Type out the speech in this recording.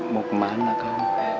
mau ke mana kak